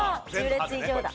１０列以上だ。